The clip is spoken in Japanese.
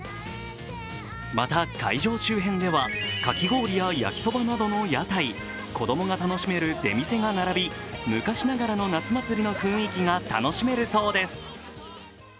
また会場周辺ではかき氷や焼きそばなどの屋台、子供が楽しめる出店が並び昔ながらの夏祭りの雰囲気が楽しめるそうです。